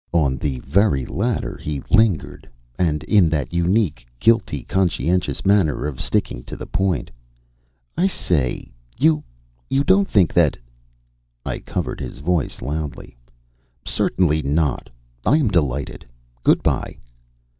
On the very ladder he lingered, and in that unique, guiltily conscientious manner of sticking to the point: "I say... you... you don't think that " I covered his voice loudly: "Certainly not.... I am delighted. Good by."